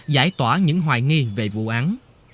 giải tỏa những hoài nghi về vụ án